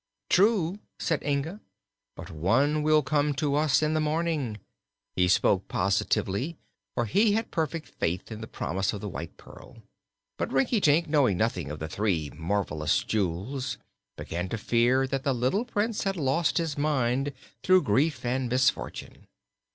"True," said Inga. "But one will come to us in the morning." He spoke positively, for he had perfect faith in the promise of the White Pearl; but Rinkitink, knowing nothing of the three marvelous jewels, began to fear that the little Prince had lost his mind through grief and misfortune.